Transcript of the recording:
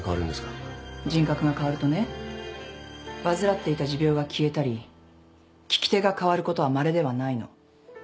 人格が変わるとね患っていた持病が消えたり利き手が変わることはまれではないの。